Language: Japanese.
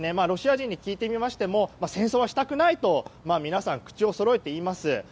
ロシア人に聞いてみましても戦争はしたくないと皆さん、口をそろえて言います。